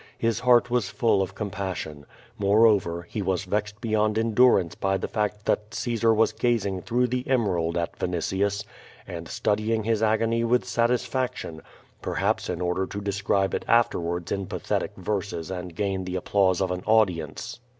His heart was full of compassion. Moreover, he was vexed beyond endurance by the fact that Caesar was gazing through the emerald at A'initius, and studying his agony i^ith satisfaction, perhaps in order to describe it afterwards in pathetic verses and gain the applause of an audience.